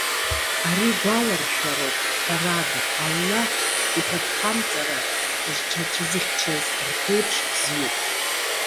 Ари гәаларшәароуп. Ҳәарада, Аллаҳ иҳәатәхамҵара зҽацәызыхьчаз рԥеиԥш бзиоуп.